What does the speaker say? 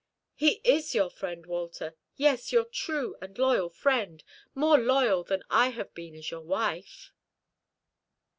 "He is your friend, Walter; yes, your true and loyal friend more loyal than I have been as your wife."